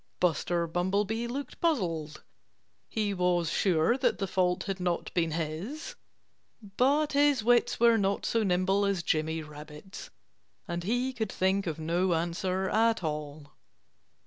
Buster Bumblebee looked puzzled. He was sure that the fault had not been his. But his wits were not so nimble as Jimmy Rabbit's. And he could think of no answer at all.